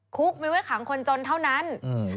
คุกมีไว้ขังคนจนเท่านั้นอืม